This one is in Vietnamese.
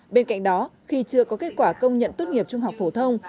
bên cạnh đó khi chưa có kết quả công nhận tốt nghiệp trung học phổ thông